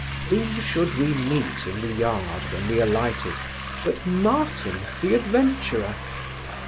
Whom should we meet in the yard, when we alighted, but Martin the adventurer?